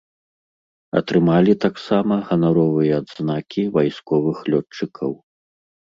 Атрымалі таксама ганаровыя адзнакі вайсковых лётчыкаў.